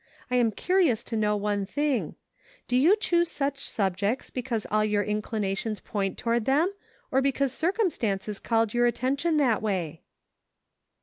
I am curious to know one thing : Do you choose such subjects because all your in clinations point toward them or because circum stances called your attention that way